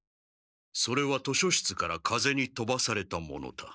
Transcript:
それは図書室から風にとばされたものだ。